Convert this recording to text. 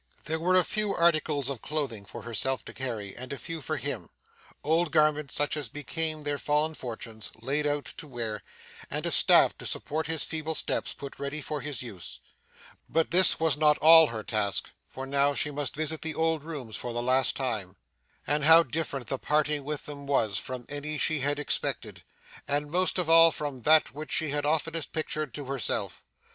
There were a few articles of clothing for herself to carry, and a few for him; old garments, such as became their fallen fortunes, laid out to wear; and a staff to support his feeble steps, put ready for his use. But this was not all her task; for now she must visit the old rooms for the last time. And how different the parting with them was, from any she had expected, and most of all from that which she had oftenest pictured to herself.